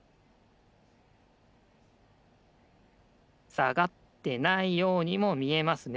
さがってないようにもみえますね。